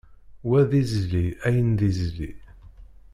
Wa d izli ayen d izli.